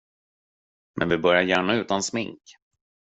Men vi börjar gärna utan smink.